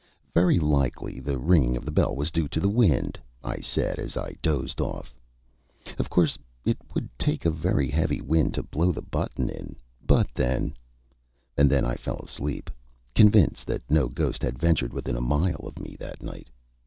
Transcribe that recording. "Very likely the ringing of the bell was due to the wind," I said, as I dozed off. "Of course it would take a very heavy wind to blow the button in, but then " and then I fell asleep, convinced that no ghost had ventured within a mile of me that night.